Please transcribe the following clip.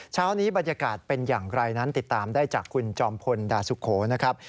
เช้านี้บรรยากาศเป็นอย่างไรนั้นติดตามได้จากคุณจอมพลดาสุโขนะครับ